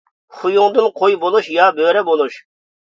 خۇيۇڭدىن قوي بولۇش يا بۆرە بولۇش.